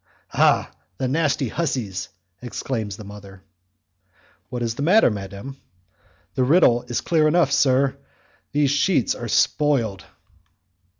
"Ah! the nasty hussies!" exclaims the mother. "What is the matter, madam?" "The riddle is clear enough, sir; these sheets are spoiled."